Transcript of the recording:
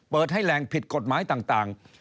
เปิดให้แรงผิดกฎหมายต่าง